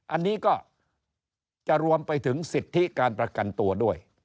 อันนี้ก็จะรวมไปถึงสิทธิการประกันตัวด้วย